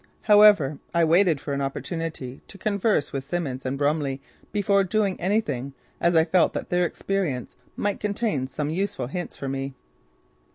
However, I waited for an opportunity to converse with Simmons and Brumley before doing anything as I felt that their experience might contain some useful hints for me.